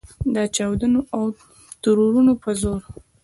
د چاودنو او ترورونو په زور.